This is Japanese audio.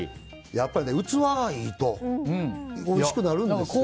やっぱり器がいいとおいしくなるんですよ、あれ。